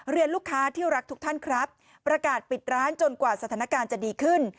เรียนลูกค้าที่รักทุกท่านครับประกาศปิดร้านจนกว่าสถานการณ์จะดีขึ้น